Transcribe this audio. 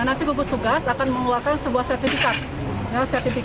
nanti gugus tugas akan mengeluarkan sebuah sertifikat